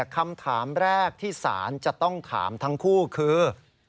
คำถามแรกที่ศาลจะต้องถามทั้งคู่คือ